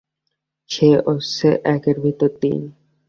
সে হচ্ছে একের ভেতর তিন।